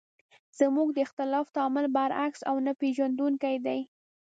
زموږ د اختلاف تعامل برعکس او نه پېژندونکی دی.